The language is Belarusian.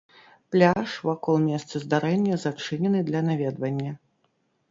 Пляж вакол месца здарэння зачынены для наведвання.